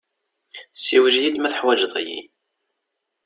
Siwel-iyi-d ma teḥwaǧeḍ-iyi.